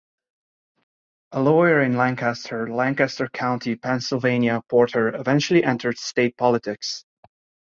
A lawyer in Lancaster, Lancaster County, Pennsylvania, Porter eventually entered state politics.